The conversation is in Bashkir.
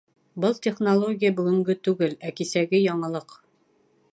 — Был технология — бөгөнгө түгел, ә кисәге яңылыҡ.